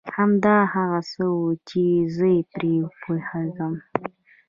همدا هغه څه و چي زه پرې پوهېږم.